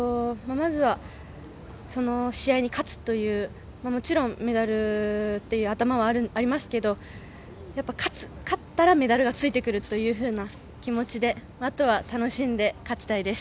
まずはその試合に勝つというもちろんメダルという頭はありますけど勝ったらメダルはついてくるという気持ちであとは楽しんで勝ちたいです。